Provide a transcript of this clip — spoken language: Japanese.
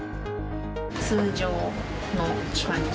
通常の感じ？